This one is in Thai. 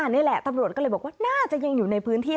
นี่แหละตำรวจก็เลยบอกว่าน่าจะยังอยู่ในพื้นที่